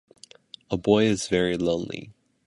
A boy is very lonely.